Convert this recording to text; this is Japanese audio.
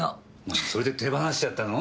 あそれで手放しちゃったの？